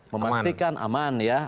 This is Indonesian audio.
memastikan aman ya